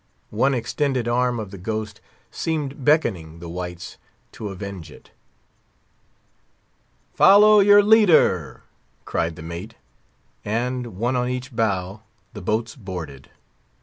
One extended arm of the ghost seemed beckoning the whites to avenge it. "Follow your leader!" cried the mate; and, one on each bow, the boats boarded.